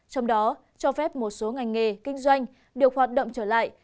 trong đó cho phép một số ngành nghề kinh doanh được hoạt động trở lại